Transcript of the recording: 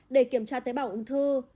để kiểm tra tế bào ung thư